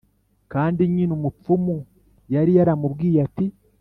Kandi nyine umupfumu yari yaramubwiye ati”